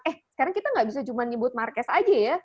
eh sekarang kita nggak bisa cuma nyebut marques aja ya